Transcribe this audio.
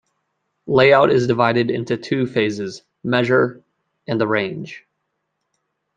Layout is divided into two phases: "Measure"; and "Arrange".